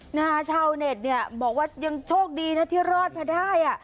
ชาวเน็ตเนี่ยบอกว่ายังโชคดีนะที่รอดมาได้อ่ะ